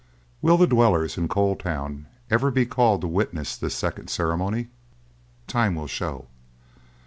Will the dwellers in Coal Town ever be called to witness this second ceremony? Time will show.